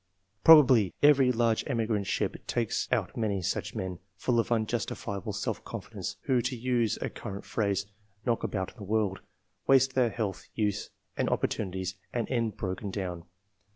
Probably every large emigrant ship takes out many such men, full of unjustifiable self confidence, who, to use a current phrase, " knock about in the world," waste their health, youth, and opportunities, and end bro ken down.